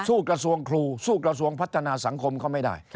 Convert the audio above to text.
กระทรวงครูสู้กระทรวงพัฒนาสังคมเขาไม่ได้